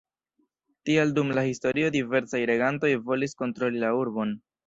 Tial dum la historio diversaj regantoj volis kontroli la urbon.